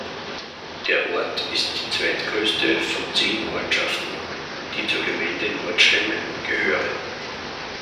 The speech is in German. Der Ort ist die zweitgrößte von zehn Ortschaften, die zur Gemeinde Nordstemmen gehören.